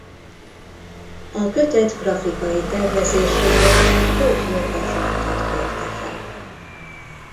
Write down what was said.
A kötet grafikai tervezésére Tóth Yoka Zsoltot kérte fel.